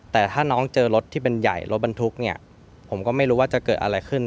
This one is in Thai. แต่ถ้าน้องเจอรถที่เป็นใหญ่รถบรรทุกเนี่ยผมก็ไม่รู้ว่าจะเกิดอะไรขึ้น